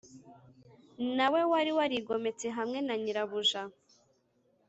na we wari warigometse hamwe na nyirabuja.